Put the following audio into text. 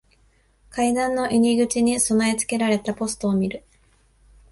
階段の入り口に備え付けられたポストを見る。